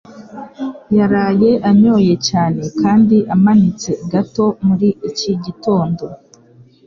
yaraye anyoye cyane kandi amanitse gato muri iki gitondo